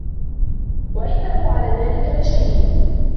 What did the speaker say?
وَإِنَّهُ عَلى ذلِكَ لَشَهيدٌ